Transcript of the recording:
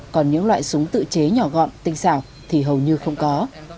còn những loại súng tự chế nhỏ gọn tinh xảo thì hầu như không có